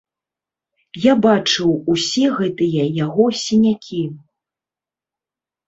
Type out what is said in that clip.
Я бачыў усе гэтыя яго сінякі.